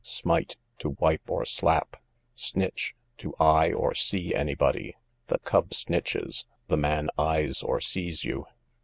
Smite, to wipe or slap. Snitch, to eye or see any body; the cub snitches, the man eyes or sees you.